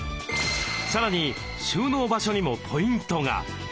さらに収納場所にもポイントが。